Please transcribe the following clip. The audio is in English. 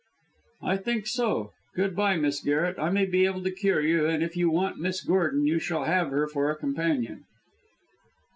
"I think so. Good bye, Miss Garret. I may be able to cure you, and if you want Miss Gordon, you shall have her for a companion."